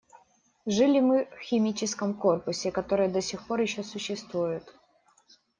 Жили мы в химическом корпусе, который до сих пор еще существует.